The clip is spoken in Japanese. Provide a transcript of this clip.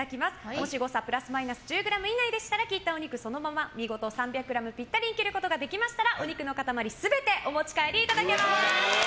もし誤差プラスマイナス１０ｇ以内であれば切ったお肉をそのまま見事３００ｇぴったりに切ることができればお肉の塊全てお持ち帰りいただけます。